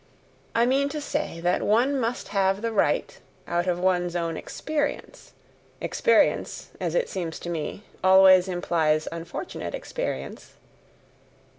I mean to say that one must have the right out of one's own EXPERIENCE experience, as it seems to me, always implies unfortunate experience?